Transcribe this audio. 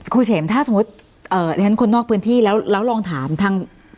เฉมถ้าสมมุติฉันคนนอกพื้นที่แล้วลองถามทาง